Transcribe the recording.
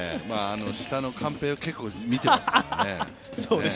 下のカンペを結構見てましたね。